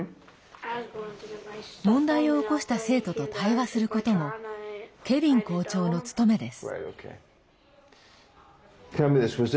問題を起こした生徒と対話することもケヴィン校長の務めです。